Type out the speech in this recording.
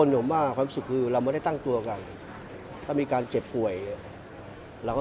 เศร้าความสามารถเอาในรายได้ไหม